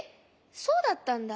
そうだったんだ。